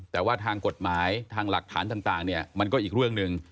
แต่ว่าทางกฎหมายทางหลักฐานต่างเนี่ยมันก็อีกเรื่องหนึ่ง